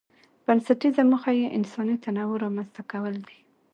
بنسټيزه موخه یې انساني تنوع رامنځته کول دي.